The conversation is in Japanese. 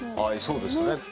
はいそうですね。